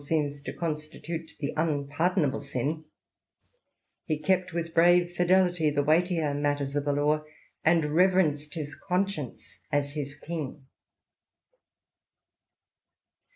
seems to constitute the unpardonable sin, he kept with brave fidelity the weightier matters of the law, and reverenced his conscience as his king.